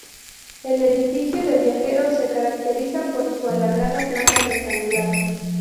El edificio de viajeros se caracteriza por su alargada planta rectangular.